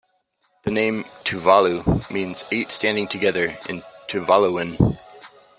The name, Tuvalu, means "eight standing together" in Tuvaluan.